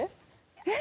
えっ。